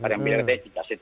yang benar deh